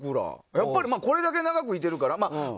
やっぱりこれだけ長くいてるから。